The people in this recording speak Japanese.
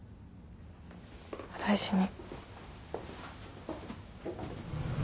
お大事に。